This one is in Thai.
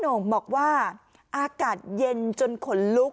หญิงบอกว่าจะเป็นพี่ปวกหญิงบอกว่าจะเป็นพี่ปวก